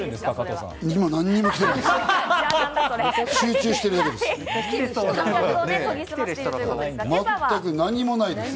今、何もしてないですよ。